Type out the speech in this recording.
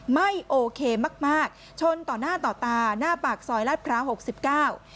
ไม่โอเคมากชนต่อหน้าต่อตาหน้าปากซอยลาดพร้าว๖๙